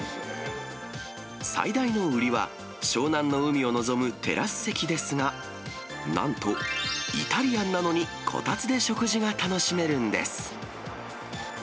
最大の売りは、湘南の海を臨むテラス席ですが、なんとイタリアンなのにこたつで食事が楽しめるんです。